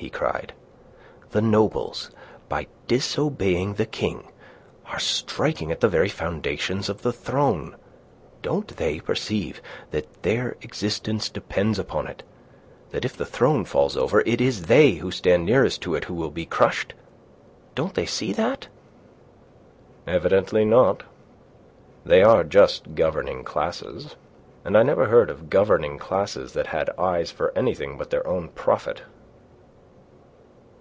he cried. "The nobles, by disobeying the King, are striking at the very foundations of the throne. Don't they perceive that their very existence depends upon it; that if the throne falls over, it is they who stand nearest to it who will be crushed? Don't they see that?" "Evidently not. They are just governing classes, and I never heard of governing classes that had eyes for anything but their own profit."